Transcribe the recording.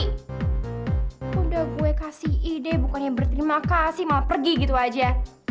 kok udah gue kasih ide bukannya berterima kasih malah pergi gitu aja